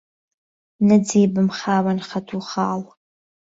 نهجیبم خاوهن خهتوخاڵ